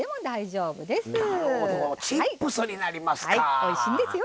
おいしいんですよ